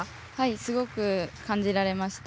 すごく感じられました。